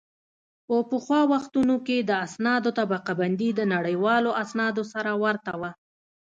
په پخوا وختونو کې د اسنادو طبقه بندي د نړیوالو اسنادو سره ورته وه